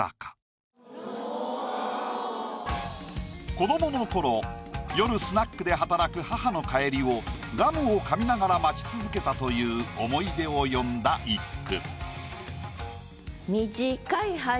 子どもの頃夜スナックで働く母の帰りをガムを噛みながら待ち続けたという思い出を詠んだ一句。